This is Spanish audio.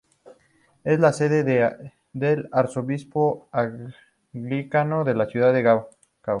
Es la sede del arzobispo anglicano de Ciudad del Cabo.